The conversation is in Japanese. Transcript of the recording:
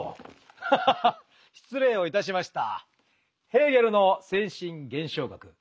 ハハハ失礼をいたしました。